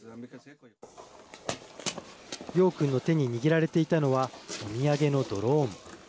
楊君の手に握られていたのはお土産のドローン。